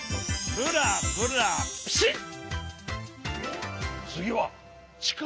ブラブラピシッと！